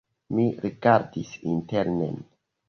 Mi rigardis internen.